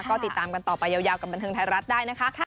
ก็ติดตามกันต่อไปยาวกับบันเทิงไทยรัฐได้นะคะ